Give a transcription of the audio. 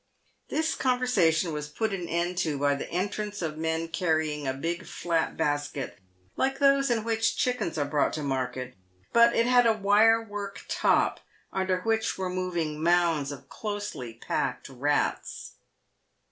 This conversation was put an end to by the entrance of men carry ing a big flat basket, like those in which chickens are brought to market, but it had a wire work top, under which were moving mounds of closely packed rats.